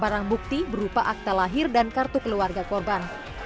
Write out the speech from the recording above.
barang bukti berupa akta lahir dan kartu keluarga korban